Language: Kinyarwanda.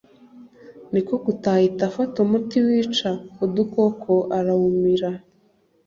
niko gutaha ahita afata umuti wica udukoko arawumira